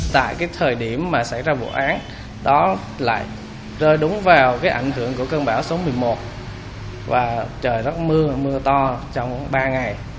tại cái thời điểm mà xảy ra vụ án đó lại rơi đúng vào cái ảnh hưởng của cơn bão số một mươi một và trời rất mưa mưa to trong ba ngày